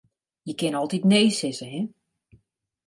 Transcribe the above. Je kinne altyd nee sizze, hin.